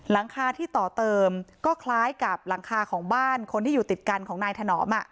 หลังคาที่ต่อเติมก็คล้ายกับหลังคาของบ้านคนที่อยู่ติดกันของนายถนอม